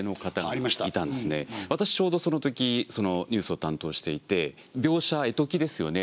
私ちょうどそのときニュースを担当していて描写絵解きですよね